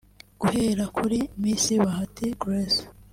Guhera kuri Miss Bahati Grace